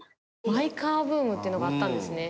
マイカーブームっていうのがあったんですね。